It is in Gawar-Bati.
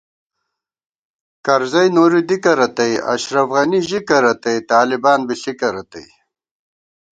کرزَئی نوری دِکہ رتئ ، اشرَف غنی ژِکہ رتئ، طالِبان بی ݪِکہ رتئ